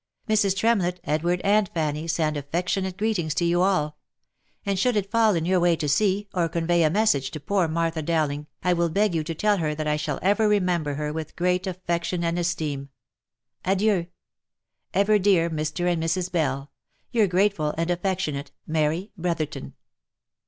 " Mrs. Tremlett, Edward, and Fanny, send affectionate greetings to you all. And should it fall in your way to see, or convey a message to poor Martha Dowling, I will beg you to tell her that I shall ever remember her with great affection and esteem. Adieu !" Ever dear Mr. and Mrs. Bell, " Your grateful and affectionate, " Mary Brother/ton."